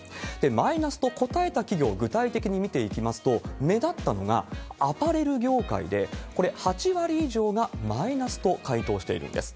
マイナスと答えた企業を具体的に見ていきますと、目立ったのがアパレル業界で、これ、８割以上がマイナスと回答しているんです。